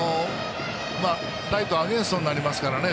ライト、アゲインストになりますからね